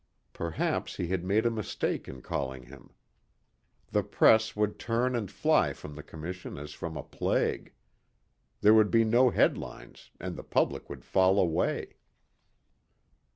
Perhaps he had made a mistake in calling him. The press would turn and fly from the commission as from a plague. There would be no headlines and the public would fall away.